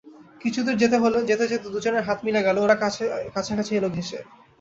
কিছুদূরে যেতে যেতে দুজনের হাত মিলে গেল, ওরা কাছে কাছে এল ঘেঁষে।